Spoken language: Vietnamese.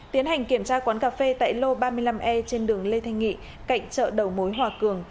tiến hành kiểm tra quán cà phê tại lô ba mươi năm e trên đường lê thanh nghị cạnh chợ đầu mối hòa cường